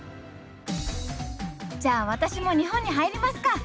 じゃあ私も日本に入りますか！